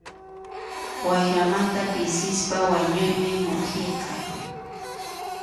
Wayramanta pisispa wañuymi mukiyqa.